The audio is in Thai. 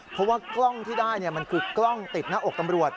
เพราะว่ากล้องที่ได้มันคือกล้องติดหน้าอกตำรวจ